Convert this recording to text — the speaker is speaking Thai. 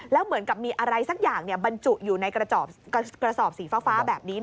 แล้วเหมือนกับมีอะไรสักอย่างบรรจุอยู่ในกระสอบสีฟ้าแบบนี้